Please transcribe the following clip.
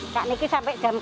kami sampai jam sebelas